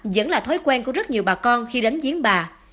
vẫn là thói quen của rất nhiều bà con khi đến giếng bà